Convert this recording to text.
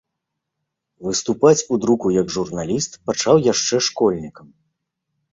Выступаць у друку як журналіст пачаў яшчэ школьнікам.